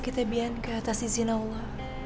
bukan hanya tentang ofisialku